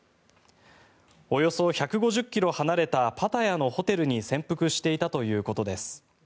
およそ１５０ｋｍ離れたパタヤのホテルに潜伏していたということです。